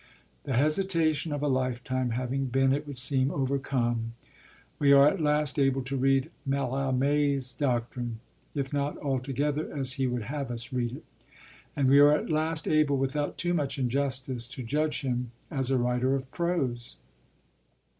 The hesitation of a lifetime having been, it would seem, overcome, we are at last able to read Mallarmé's 'doctrine,' if not altogether as he would have us read it. And we are at last able, without too much injustice, to judge him as a writer of prose.